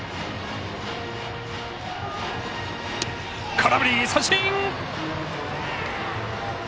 空振り三振。